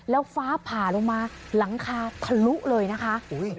แล้วฟ้าผ่าลงมาหลังคาทะลุเลยนะคะ